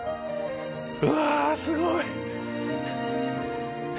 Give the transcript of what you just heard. うわぁすごい！